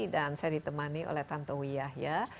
dan saya ditemani oleh tanto wiyah ya